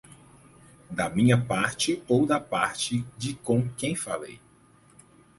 da minha parte ou da parte de com quem falei